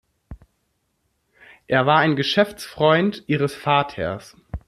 Er war ein Geschäftsfreund ihres Vaters.